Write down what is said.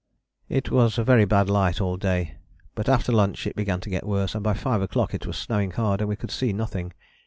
"It was a very bad light all day, but after lunch it began to get worse, and by 5 o'clock it was snowing hard and we could see nothing.